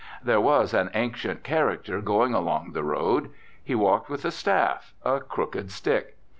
There was an ancient character going along the road. He walked with a staff, a crooked stick.